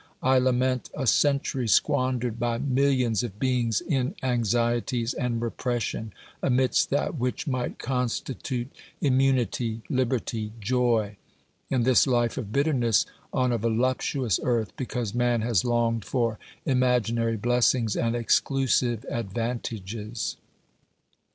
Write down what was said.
I lament a century squandered by millions of beings in anxieties and repression, amidst that which might constitute immunity, liberty, joy ; and this life of bitterness on a voluptuous earth, because man has longed for imaginary blessings and exclusive advantages.